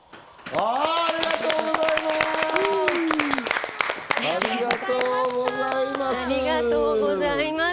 ありがとうございます。